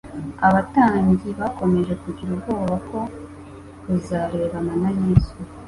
Abatambyi bakomeje kugira ubwoba bwo kuzarebana na Yesu,